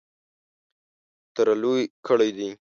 تره لوی کړی دی .